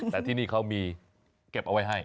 แต่ที่นี่เขามีเก็บเอาไว้ให้